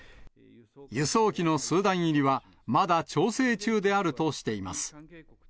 輸送機のスーダン入りはまだ調整中であるとしています。